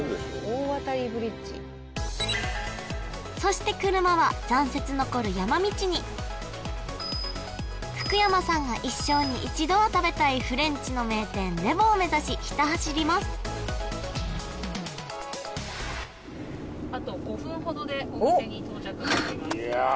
大渡ブリッジそして車は残雪残る山道に福山さんが一生に一度は食べたいフレンチの名店レヴォを目指しひた走りますおっいやあ